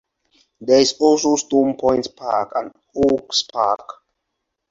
There is also Stone Point Park and Oaks Park.